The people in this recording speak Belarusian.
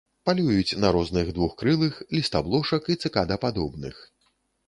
Палююць на розных двухкрылых, лістаблошак і цыкадападобных.